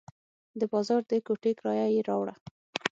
د بازار د کوټې کرایه یې راوړه.